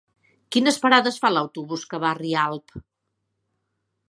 Quines parades fa l'autobús que va a Rialp?